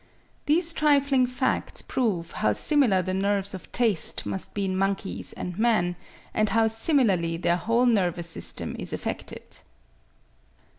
These trifling facts prove how similar the nerves of taste must be in monkeys and man, and how similarly their whole nervous system is affected.